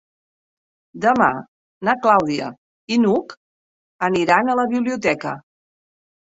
Demà na Clàudia i n'Hug aniran a la biblioteca.